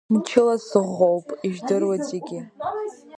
Мчыла сыӷәӷәоуп, ижәдыруеит зегьы.